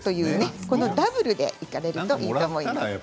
このダブルでいかれるといいと思います。